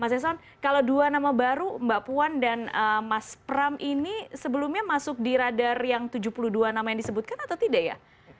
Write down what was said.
mas eson kalau dua nama baru mbak puan dan mas pram ini sebelumnya masuk di radar yang tujuh puluh dua nama yang disebutkan atau tidak ya